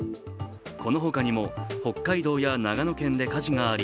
このほかにも、北海道や長野県で火事があり、